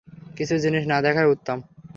কিছু জিনিস না দেখাই উওম।